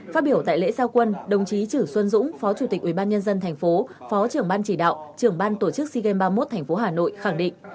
phát biểu tại lễ giao quân đồng chí chử xuân dũng phó chủ tịch ubnd tp phó trưởng ban chỉ đạo trưởng ban tổ chức sea games ba mươi một tp hà nội khẳng định